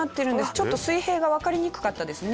ちょっと水平がわかりにくかったですね。